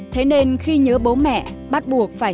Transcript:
thế nên khi nhớ bố mẹ bắt buộc phải